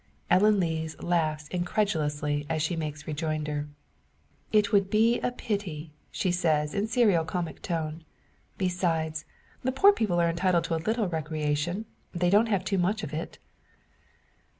Ellen Lees laughs incredulously as she makes rejoinder. "It would be a pity," she says, in serio comic tone. "Besides, the poor people are entitled to a little recreation. They don't have too much of it."